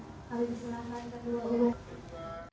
ketua umum pbpjn